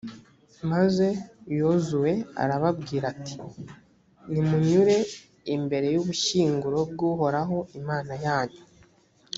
maze yozuwe arababwira ati «nimunyure imbere y’ubushyinguro bw’uhoraho, imana yanyu.